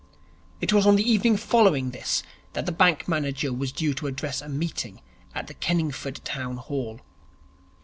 It was on the evening following this that the bank manager was due to address a meeting at the Kenningford Town Hall.